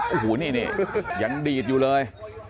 โอ้โหนี่ยังดีดอยู่เลย